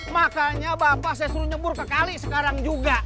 makanya bapak saya suruh nyebur ke kali sekarang juga